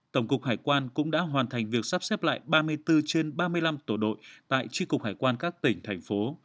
tổng cục hải quan cũng đã hoàn thành việc sắp xếp lại ba mươi bốn trên ba mươi năm tổ đội tại tri cục hải quan các tỉnh thành phố